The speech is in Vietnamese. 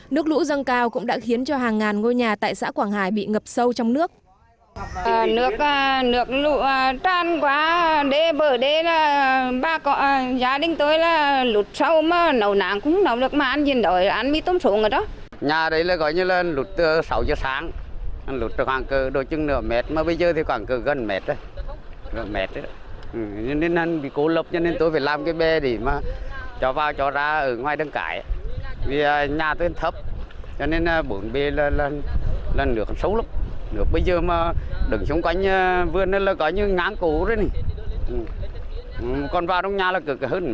nước lũ dâng cao cũng đã khiến cho hàng ngàn ngôi nhà tại xã quảng hải bị ngập sâu trong nước